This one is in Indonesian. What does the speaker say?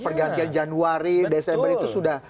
pergantian januari desember itu sudah